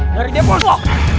dari dia pun lo